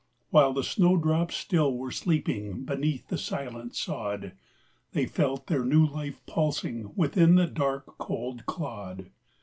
While the snow drops still were sleeping Beneath the silent sod; They felt their new life pulsing Within the dark, cold clod.